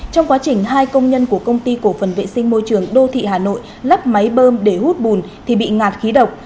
trong quá trình hai công nhân của công ty cổ phần vệ sinh môi trường đô thị hà nội lắp máy bơm để hút bùn thì bị ngạt khí độc